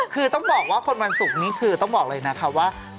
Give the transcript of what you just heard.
คือต้องบอกว่าคนวันศุกร์นี้คือต้องบอกเลยนะคะว่า